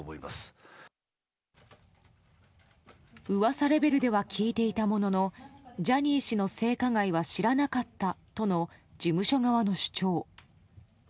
噂レベルでは聞いていたもののジャニー氏の性加害は知らなかったとの事務所側の主張。